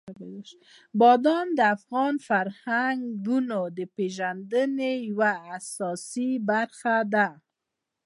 بادام د افغانانو د فرهنګي پیژندنې یوه اساسي برخه ده.